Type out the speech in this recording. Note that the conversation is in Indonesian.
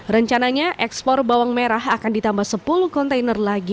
rencananya ekspor bawang merah akan ditambah sepuluh kontainer lagi